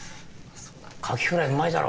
カキフライうまいだろ？